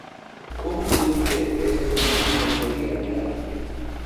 Como introduce eses obxectivos no día a día?